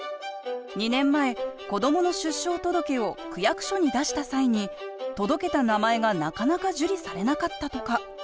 ２年前子どもの出生届を区役所に出した際に届けた名前がなかなか受理されなかったとか。